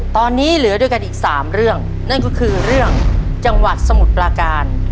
ตอนนี้เหลือด้วยกันอีก๓เรื่องนั่นก็คือเรื่องจังหวัดสมุทรปลาการ